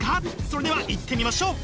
それではいってみましょう！